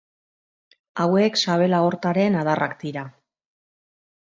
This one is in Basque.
Hauek sabel aortaren adarrak dira.